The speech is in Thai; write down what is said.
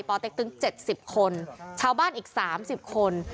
ปอเต็กตึงเจ็ดสิบคนชาวบ้านอีกสามสิบคน